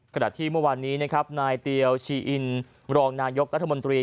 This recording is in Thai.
ขณะที่เมื่อวานนี้นะครับนายเตียวชีอินรองนายกรัฐมนตรี